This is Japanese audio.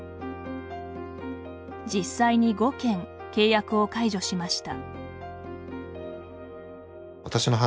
実際に５件、契約を解除しました。